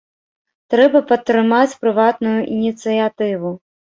Трэба падтрымаць прыватную ініцыятыву.